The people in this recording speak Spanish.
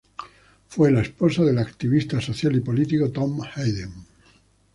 Fue la esposa del activista social y político Tom Hayden.